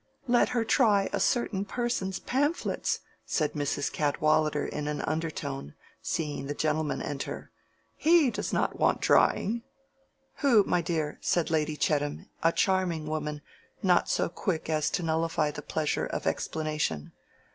"Let her try a certain person's pamphlets," said Mrs. Cadwallader in an undertone, seeing the gentlemen enter. "He does not want drying." "Who, my dear?" said Lady Chettam, a charming woman, not so quick as to nullify the pleasure of explanation.